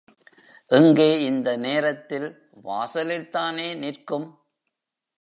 எங்கே இந்த நேரத்தில் வாசலில்தானே நிற்கும்?